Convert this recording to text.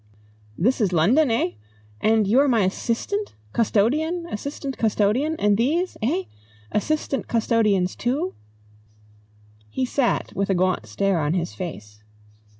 "This is London, eh? And you are my assistant custodian; assistant custodian. And these ? Eh? Assistant custodians too!" He sat with a gaunt stare on his face.